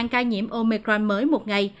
hai trăm linh ca nhiễm omicron mới một ngày